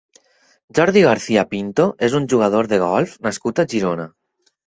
Jordi García Pinto és un jugador de golf nascut a Girona.